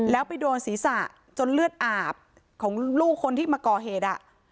แล้วไปโดนศีรษะจนเลือดอาบของลูกคนที่มาก่อเหตุ